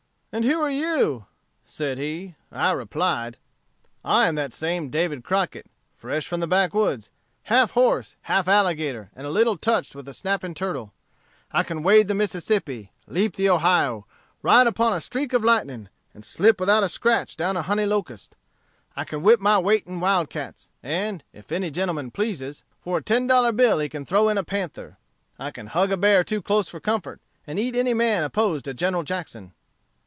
"'And who are you? said he. I replied: "'I am that same David Crockett, fresh from the backwoods, half horse, half alligator, a little touched with the snapping turtle. I can wade the Mississippi, leap the Ohio, ride upon a streak of lightning, and slip without a scratch down a honey locust. I can whip my weight in wildcats, and, if any gentleman pleases, for a ten dollar bill he can throw in a panther. I can hug a bear too close for comfort, and eat any man opposed to General Jackson.'"